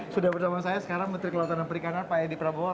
sudah bersama saya sekarang menteri kelautan dan perikanan pak edi prabowo